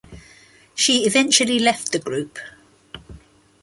She eventually left the group.